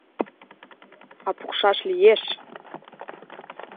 А пукшаш лиеш».